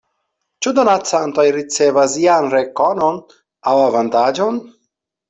Ĉu donacantoj ricevas ian rekonon aŭ avantaĝon?